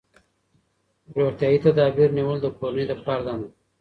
روغتیايي تدابیر نیول د کورنۍ د پلار دنده ده.